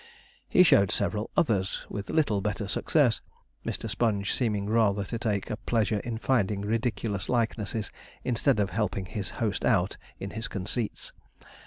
He showed several others, with little better success, Mr. Sponge seeming rather to take a pleasure in finding ridiculous likenesses, instead of helping his host out in his conceits.